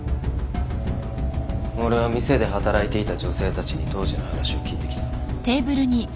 俺は店で働いていた女性たちに当時の話を聞いてきた。